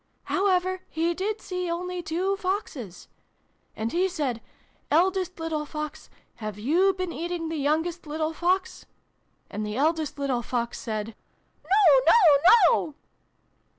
However, he did see only two Foxes. And he said ' Eldest little Fox, have you been eating the youngest little Fox ?' And the eldest little Fox said 'No no no!'